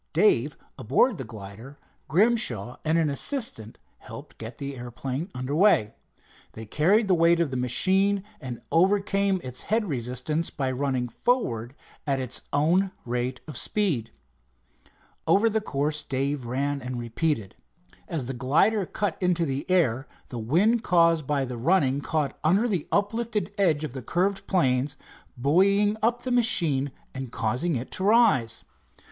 Dave aboard the glider, Grimshaw and an assistant helped get the airplane under way. They carried the weight of the machine and overcame its head resistance by running forward at its own rate of speed. Over the course Dave ran and repeated. As the glider cut into the air, the wind caused by the running caught under the uplifted edge of the curved planes, buoying up the machine and causing it to rise.